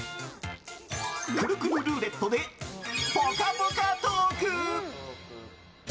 くるくるルーレットでぽかぽかトーク！